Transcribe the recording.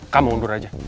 kamu undur aja